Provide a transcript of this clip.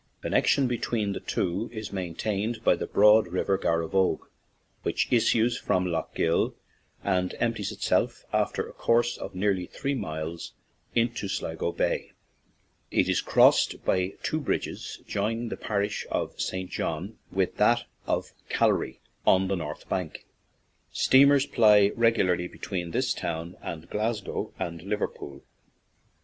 Connection between the two is maintained by the broad river Gar rogue, which issues from Lough Gill and empties itself, after a course of nearly three miles, into Sligo Bay. It is crossed by two bridges, joining the parish of St. John with that of Calry on the north bank. Steamers ply regularly between this town and Glasgow and Liverpool.